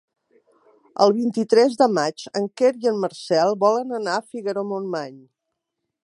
El vint-i-tres de maig en Quer i en Marcel volen anar a Figaró-Montmany.